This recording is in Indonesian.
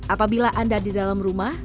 apabila anda di dalam rumah